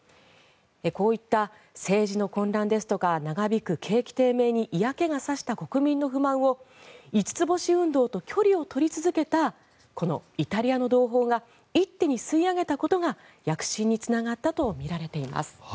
こういった政治の混乱ですとか長引く景気低迷に嫌気が差した国民の不満を五つ星運動と距離を取り続けたこのイタリアの同胞が一手に吸い上げたことが躍進につながったとみられています。